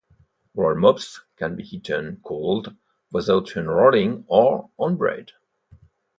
Rollmops can be eaten cold, without unrolling, or on bread.